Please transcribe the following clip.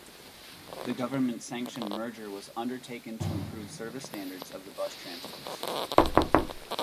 The government-sanctioned merger was undertaken to improve service standards of the bus transport system.